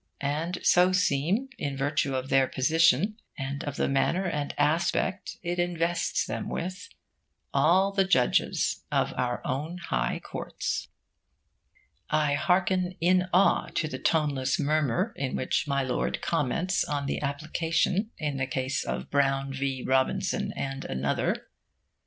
And so seem, in virtue of their position, and of the manner and aspect it invests them with, all the judges of our own high courts. I hearken in awe to the toneless murmur in which My Lord comments on the application in the case of 'Brown v. Robinson and Another.'